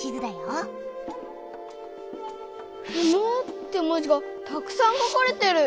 「不毛」って文字がたくさん書かれてる。